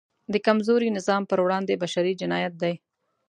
د کمزوري نظام پر وړاندې بشری جنایت دی.